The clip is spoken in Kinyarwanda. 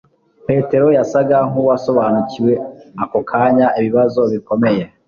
Petero yasaga nkuwasobanukiwe ako kanya ibibazo bikomeye